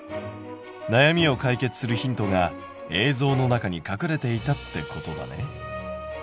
悩みを解決するヒントが映像の中に隠れていたってことだね。